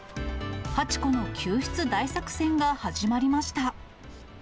はちこの救出大作戦が始まりました。